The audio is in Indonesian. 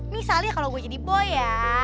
misalnya kalau gue jadi boy ya